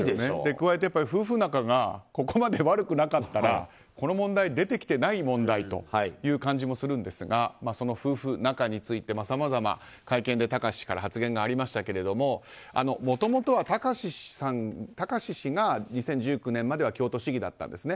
加えて、夫婦仲がここまで悪くなかったらこの問題、出てきてない問題という感じもするんですがその夫婦仲についてさまざま、会見で貴志氏から発言がありましたがもともとは貴志氏が２０１９年までは京都市議だったんですね。